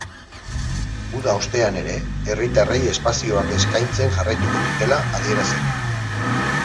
Uda ostean ere, herritarrei espazioak eskaintzen jarraituko dutela adierazi du.